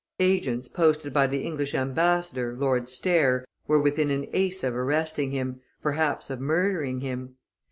Agents, posted by the English ambassador, Lord Stair, were within an ace of arresting him, perhaps of murdering him.